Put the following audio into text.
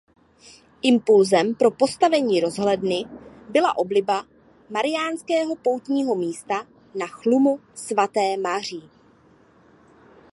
Impulzem pro postavení rozhledny byla obliba mariánského poutního místa na Chlumu Svaté Maří.